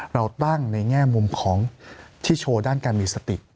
เราตั้งในแง่มุมของที่โชว์ด้านการมีสติ